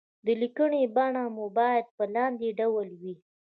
د ليکنې بڼه مو بايد په لاندې ډول وي.